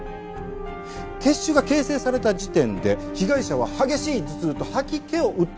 血腫が形成された時点で被害者は激しい頭痛と吐き気を訴えたはずです。